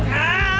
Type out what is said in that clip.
guys kamu buruan